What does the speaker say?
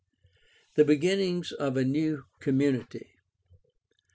The beginnings of a new community.